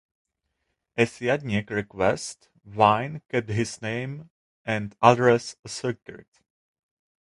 At Jandek's request Vine kept his name and address a secret.